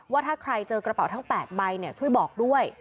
ว่าถ้าใครเจอกระเป๋าทั้ง๘ใบช่วยบอกด้วย